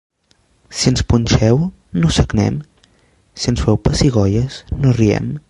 Si ens punxeu, no sagnem? Si ens feu pessigolles, no riem?